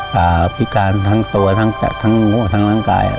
แต่พิการทั้งตัวทั้งง่ทั้งร่างกาย